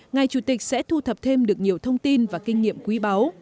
ngài chủ tịch sẽ thu thập thêm được nhiều thông tin và kinh nghiệm quý báu